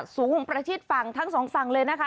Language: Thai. สูงประชิดฝั่งทั้งสองฝั่งเลยนะคะ